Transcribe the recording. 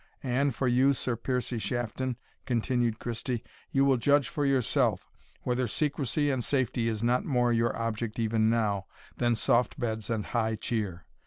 And for you, Sir Piercie Shafton," continued Christie, "you will judge for yourself, whether secrecy and safety is not more your object even now, than soft beds and high cheer.